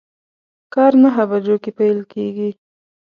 کار نهه بجو کی پیل کیږي